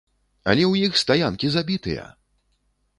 Але ў іх стаянкі забітыя!